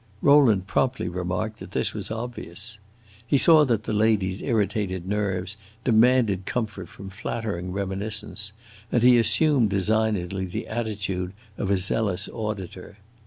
Rowland promptly remarked that this was obvious. He saw that the lady's irritated nerves demanded comfort from flattering reminiscence, and he assumed designedly the attitude of a zealous auditor.